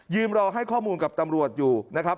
รอให้ข้อมูลกับตำรวจอยู่นะครับ